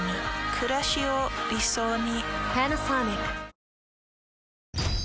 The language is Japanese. くらしを理想に。